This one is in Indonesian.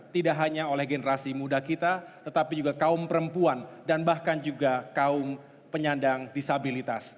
tidak hanya oleh generasi muda kita tetapi juga kaum perempuan dan bahkan juga kaum penyandang disabilitas